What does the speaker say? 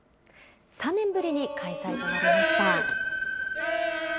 ３年ぶりに開催となりました。